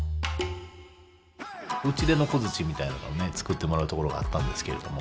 打ち出の小づちみたいなのを作ってもらうところがあったんですけれども